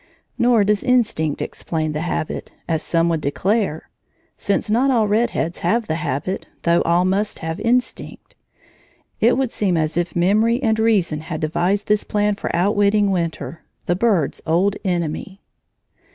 Nor does instinct explain the habit, as some would declare: since not all red heads have the habit, though all must have instinct. It would seem as if memory and reason had devised this plan for outwitting winter, the bird's old enemy.